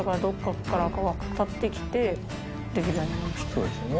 そうですよね。